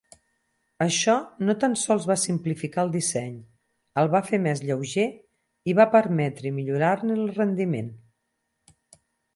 Això no tan sols va simplificar el disseny, el va fer més lleuger i va permetre millorar-ne el rendiment.